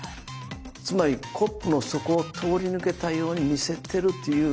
つまりコップの底を通り抜けたように見せてるという。